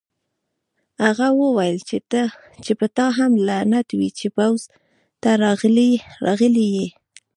هغه وویل چې په تا هم لعنت وي چې پوځ ته راغلی یې